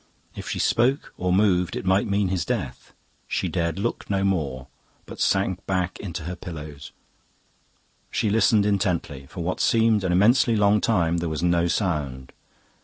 If she spoke or moved it might mean his death. She dared look no more, but sank back on her pillows. She listened intently. For what seemed an immensely long time there was no sound.